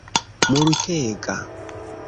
multega